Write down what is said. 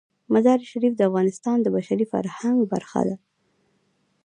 مزارشریف د افغانستان د بشري فرهنګ برخه ده.